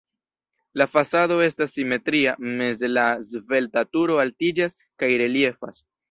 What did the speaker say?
La fasado estas simetria, meze la svelta turo altiĝas kaj reliefas.